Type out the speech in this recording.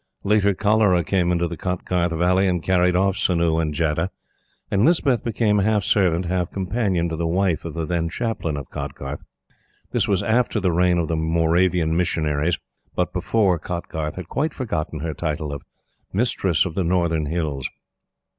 Later, cholera came into the Kotgarth Valley and carried off Sonoo and Jadeh, and Lispeth became half servant, half companion to the wife of the then Chaplain of Kotgarth. This was after the reign of the Moravian missionaries, but before Kotgarth had quite forgotten her title of "Mistress of the Northern Hills."